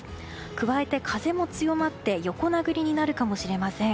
加えて、風も強まって横殴りになるかもしれません。